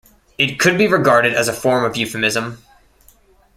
It could be regarded as a form of euphemism.